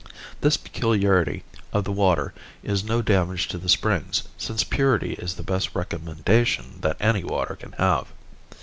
This peculiarity of the water is no damage to the springs, since purity is the best recommendation that any water can have.